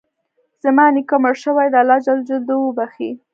زما نیکه مړ شوی ده، الله ج د وبښي